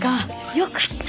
よかった！